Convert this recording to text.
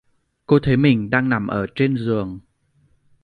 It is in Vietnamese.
Cô thấy mình đang nằm ở trên giường